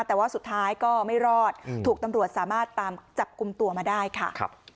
แต่ว่าสุดท้ายก็ไม่รอดถูกตำรวจสามารถตามจับกลุ่มตัวมาได้ค่ะ